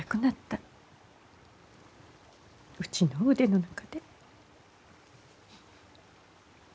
うちの腕の中で。